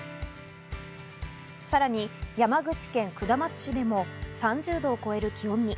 さらに山口県下松市でも３０度を超える気温に。